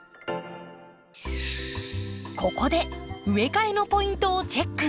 ここで植え替えのポイントをチェック。